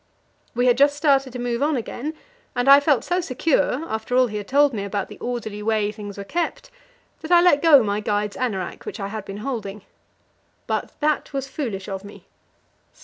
We had just started to move on again, and I felt so secure, after all he had told me about the orderly way things were kept, that I let go my guide's anorak, which I had been holding. But that was foolish of me.